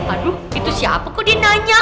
aduh itu siapa kok dia nanya